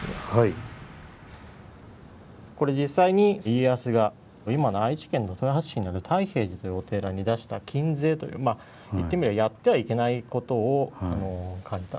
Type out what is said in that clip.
これ実際に家康が今の愛知県の豊橋市にある太平寺というお寺に出した禁制という言ってみればやってはいけないことを書いた。